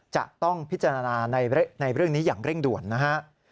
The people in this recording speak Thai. จะต้องพิจารณาในเรื่องนี้อย่างเร่งด่วนนะฮะ